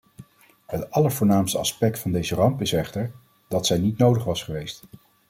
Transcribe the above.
Het allervoornaamste aspect van deze ramp is echter, dat zij niet nodig was geweest.